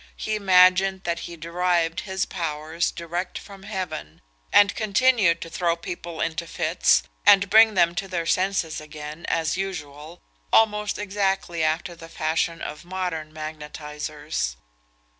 He imagined that he derived his powers direct from heaven, and continued to throw people into fits, and bring them to their senses again, as usual, almost exactly after the fashion of modern magnetisers.